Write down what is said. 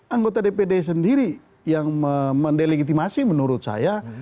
anggota dpd sendiri yang mendelegitimasi menurut saya